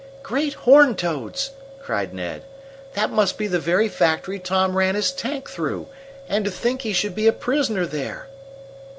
"Great horned toads!" cried Ned. "That must be the very factory Tom ran his tank through. And to think he should be a prisoner there!"